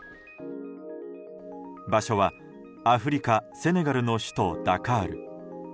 場所はアフリカ・セネガルの首都ダカール。